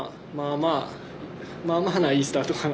まあまあいいスタートかな。